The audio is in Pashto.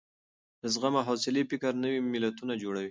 د زغم او حوصلې فکر نوي ملتونه جوړوي.